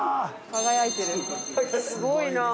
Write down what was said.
すごいなあ。